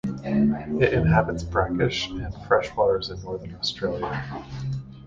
It inhabits brackish and freshwaters in northern Australia.